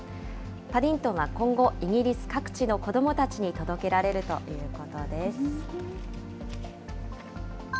パディントンは今後、イギリス各地の子どもたちに届けられるということです。